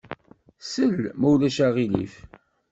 Sel, ma ulac aɣilif.